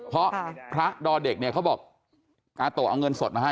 เพราะพระดอเด็กเนี่ยเขาบอกกาโตะเอาเงินสดมาให้